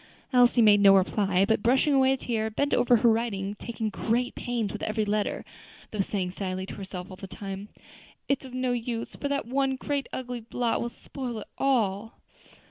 Elsie made no reply, but, brushing away a tear, bent over her writing, taking great pains with every letter, though saying sadly to herself all the time, "It's of no use, for that great ugly blot will spoil it all."